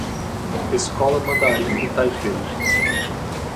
Escola Mandarim de Taipei